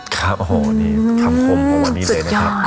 ครับคำคมของวันนี้เลยนะครับ